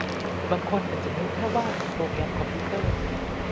บางคนอาจจะนึกแค่ว่าโปรแกรมคอมพิวเตอร์